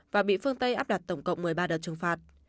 và bị phương tây áp đặt tổng cộng một mươi ba đợt trừng phạt